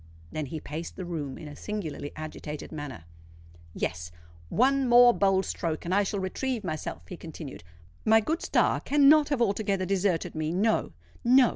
Then he paced the room in a singularly agitated manner. "Yes—one more bold stroke, and I shall retrieve myself," he continued. "My good star cannot have altogether deserted me. No—no!